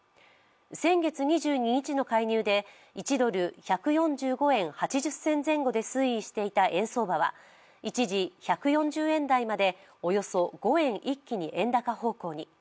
先月２２日の介入で、１ドル＝１４５円８０銭前後で推移していた円相場は、一時１４０円台までおよそ５円一気に円高方向に。